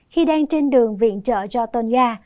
khi đang trên đường viện trợ cho tôn nga